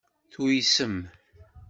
Tuysem.